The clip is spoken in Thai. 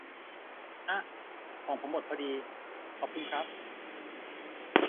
อ๊ะ ของผมหมดพอดี ขอบคุณครับ